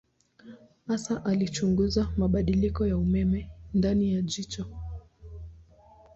Hasa alichunguza mabadiliko ya umeme ndani ya jicho.